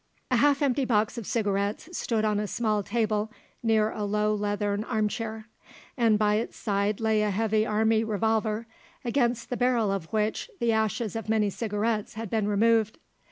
A half empty box of cigarettes stood on a small table near a low leathern armchair, and by its side lay a heavy army revolver, against the barrel of which the ashes of many cigarettes had been removed.